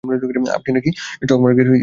আপনি নাকি স্টক মার্কেটে ইনভেস্ট করবেন?